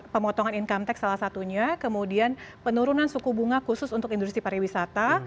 pemotongan income tax salah satunya kemudian penurunan suku bunga khusus untuk industri pariwisata